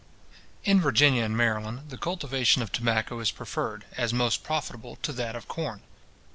In Virginia and Maryland, the cultivation of tobacco is preferred, as most profitable, to that of corn.